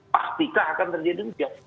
pasti kah akan terjadi hujan